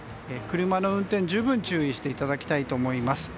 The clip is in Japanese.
車の運転、十分注意していただきたいと思います。